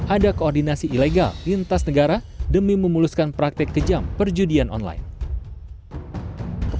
ada koordinasi ilegal lintas negara demi memuluskan praktek kejam perjudian online